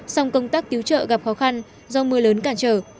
xong công tác tiếu trợ gặp khó khăn do mưa lớn cản trở